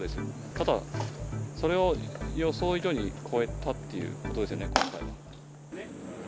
ただ、それを予想以上に超えたということですよね、今回は。